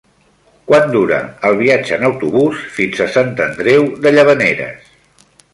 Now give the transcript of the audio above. Quant dura el viatge en autobús fins a Sant Andreu de Llavaneres?